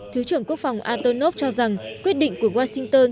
thứ trưởng quốc phòng antonov cho rằng quyết định của washington